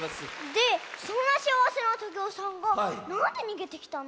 でそんなしあわせなトゲオさんがなんでにげてきたの？